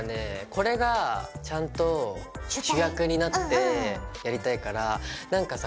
これがちゃんと主役になってやりたいからなんかさ